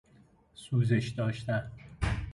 سوزش داشتن